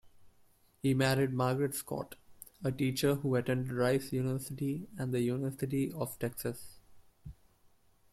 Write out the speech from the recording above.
He married Margaret Scott-a teacher who attended Rice University and The University of Texas.